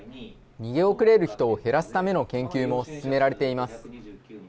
逃げ遅れる人を減らすための研究も進められています。